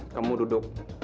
kamu duduk kamu istirahat